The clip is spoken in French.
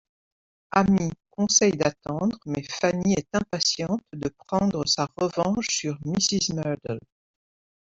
Amy conseille d'attendre, mais Fanny est impatiente de prendre sa revanche sur Mrs Merdle.